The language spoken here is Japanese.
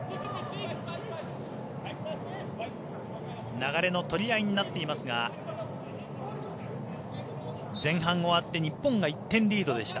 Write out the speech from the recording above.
流れの取り合いになっていますが前半終わって日本が１点リードでした。